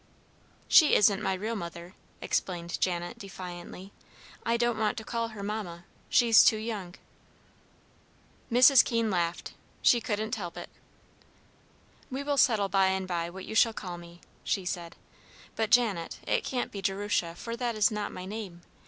"She isn't my real mother," explained Janet, defiantly. "I don't want to call her 'Mamma;' she's too young." Mrs. Keene laughed, she couldn't help it. "We will settle by and by what you shall call me," she said. "But, Janet, it can't be Jerusha, for that is not my name.